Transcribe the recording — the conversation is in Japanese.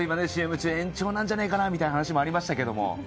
ＣＭ中に延長なんじゃないかなという話もありました。